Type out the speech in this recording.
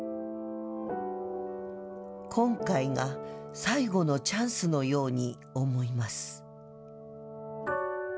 今回が最後のチャンスのように思います。